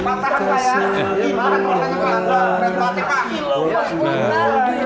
masuk murs are bradley